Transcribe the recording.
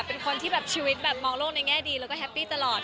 เป็นคนที่แบบชีวิตแบบมองโลกในแง่ดีแล้วก็แฮปปี้ตลอด